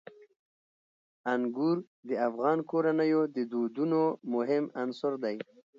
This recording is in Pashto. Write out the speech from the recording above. انګور د افغان کورنیو د دودونو مهم عنصر دی.